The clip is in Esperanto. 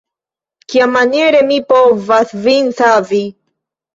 Kiamaniere mi povas vin savi?